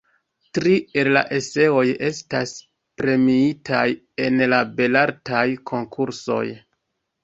Tri el la eseoj estas premiitaj en la Belartaj Konkursoj.